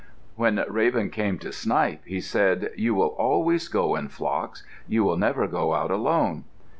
When Raven came to Snipes, he said, "You will always go in flocks. You will never go out alone."